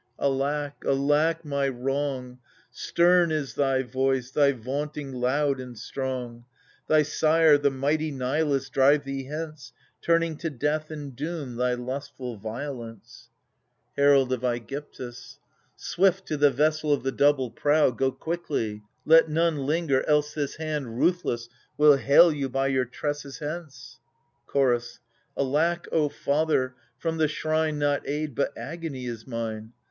Alack, alack my wrong ! Stern is thy voice, thy vaunting loud and strong. Thy sire, the mighty Nilus, drive thee hence, Turning to death and doom thy lustful violence ! THE SUPPLIANT MAIDENS. 43 Herald of ^gyptus. Swift to the vessel of the double prow, Go quickly ! let none linger, else this hand Ruthless will hale you by your tresses hence. Chorus. Alack, O father ! from the shrine Not aid but agony is mine.